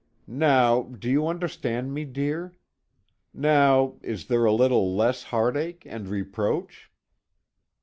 "Now, do you understand me, dear? Now, is there a little less heart ache and reproach?"